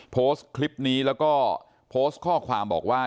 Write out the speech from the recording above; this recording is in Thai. โพสต์คลิปนี้แล้วก็โพสต์ข้อความบอกว่า